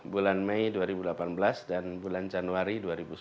bulan mei dua ribu delapan belas dan bulan januari dua ribu sembilan belas